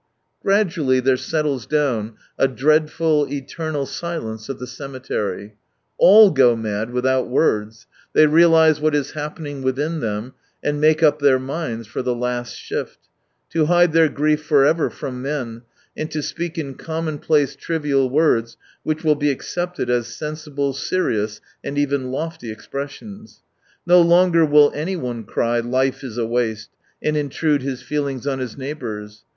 Gradually there settles down a dreadful, eternal silence of the cemetery. All go mad, without words, they realise what is happening within them, and make up their minds for the last shift : to hide their grief for ever from men, and to speak in commonplace, trivial words which will be accepted as sensible, serious, and even lofty expressions. No longer will anyone cry :" Life is a waste," and intrude his feelings on his neighbours.